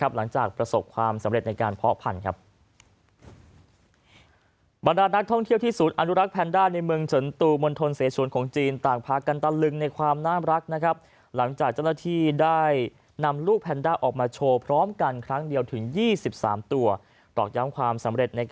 หลังจากประสบความสำเร็จในการเพาะพันธุ์ครับ